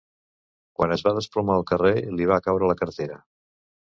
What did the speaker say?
Quan es va desplomar al carrer, li va caure la cartera.